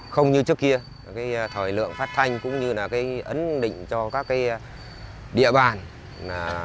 không như trước kia thời lượng phát thanh cũng như là ấn định cho các địa bàn